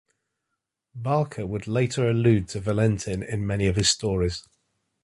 Barker would later allude to Valentin in many of his stories.